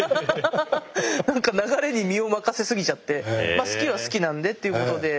何か流れに身を任せ過ぎちゃってまあ好きは好きなんでっていうことで。